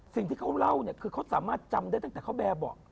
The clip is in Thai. สิ่งที่เขาเล่าเนี่ยคือเขาสามารถจำได้ตั้งแต่เขาแบบบอก